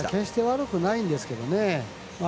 決して悪くないんですけどね。